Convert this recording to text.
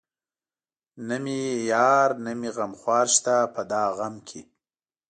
نه مې يار نه مې غمخوار شته په دا غم کې